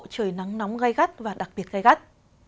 trời nắng nóng gai gắt và đặc biệt gai gắt